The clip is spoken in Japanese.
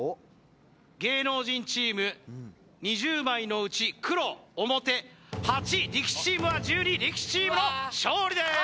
芸能人チーム２０枚のうち黒表８力士チームは１２力士チームの勝利です